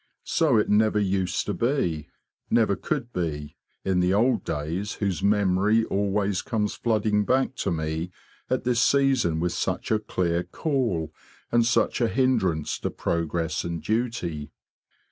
So it never used to be, never could be, in the old days whose memory always comes flooding back to me at this season with such a clear call and such a hindrance to progress and duty.